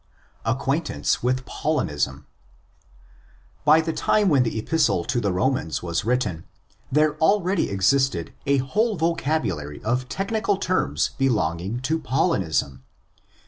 Acquaintance with Paulinism. By the time when the Epistle to the Romans was written there already existed a whole vocabulary of technical terms belonging to Paulinism.